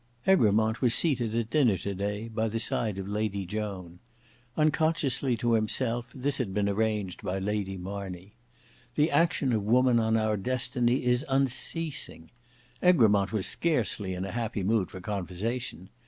Egremont was seated at dinner to day by the side of Lady Joan. Unconsciously to himself this had been arranged by Lady Marney. The action of woman on our destiny is unceasing. Egremont was scarcely in a happy mood for conversation.